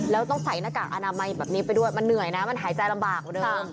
แล้วต้องใส่หน้ากากอนามัยแบบนี้ไปด้วยมันเหนื่อยนะมันหายใจลำบากกว่าเดิม